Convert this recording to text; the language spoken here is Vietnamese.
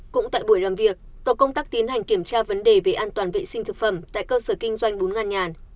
cũng tại buổi làm việc tổ công tác tiến hành kiểm tra vấn đề về an toàn vệ sinh thực phẩm tại cơ sở kinh doanh bún ngăn nhàn